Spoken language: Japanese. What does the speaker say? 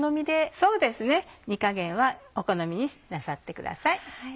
そうですね煮加減はお好みになさってください。